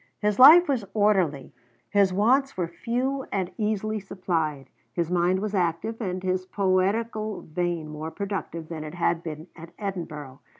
His life was orderly; his wants were few and easily supplied; his mind was active, and his poetical vein more productive than it had been at Edinburgh.